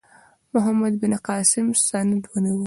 محمد بن قاسم سند ونیو.